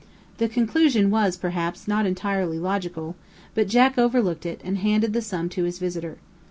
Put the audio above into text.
The conclusion was, perhaps, not entirely logical, but Jack overlooked it, and handed the sum to his visitor.